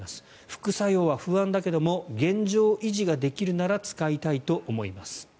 副作用は不安だけど現状維持ができるなら使いたいと思います。